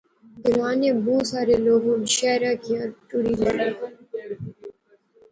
گراں نے بہوں سارے لوک ہُن شہراں کیا ٹُری غئے